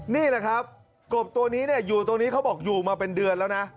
นี่แหละครับกบตัวนี้อยู่ตรงนี้เขาบอกอยู่มาเป็นเดือนแล้วนะ